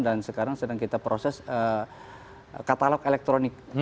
dan sekarang sedang kita proses katalog elektronik